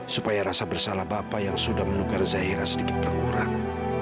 supaya rasa bersalah bapak yang sudah menukar zahira sedikit berkurang